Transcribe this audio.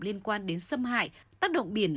liên quan đến xâm hại tác động biển